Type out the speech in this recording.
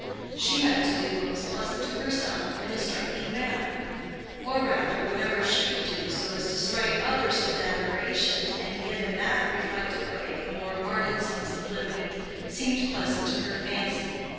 She meant to do what was pleasant to herself in a striking manner; or rather, whatever she could do so as to strike others with admiration and get in that reflected way a more ardent sense of living, seemed pleasant to her fancy.